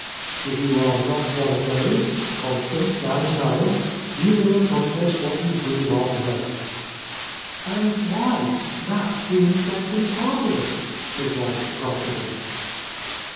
"If you are not one of those, Constance and Niel, you will accomplish what you dream of most." "And why? That's the interesting part of it," his wife prompted him.